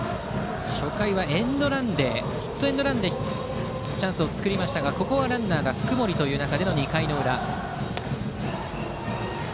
初回はヒットエンドランでチャンスを作りましたがここはランナーが福盛という中で２回裏。